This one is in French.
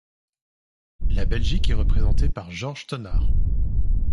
La Belgique est représentée par Georges Thonar.